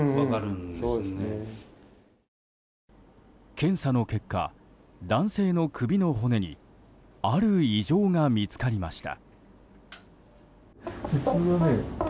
検査の結果、男性の首の骨にある異常が見つかりました。